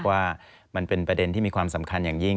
ว่ามันเป็นประเด็นที่มีความสำคัญอย่างยิ่ง